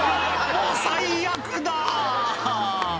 もう最悪だぁ！」